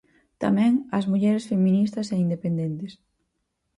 Tamén ás mulleres feministas e independentes.